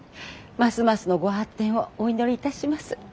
ますますのご発展をお祈りいたします。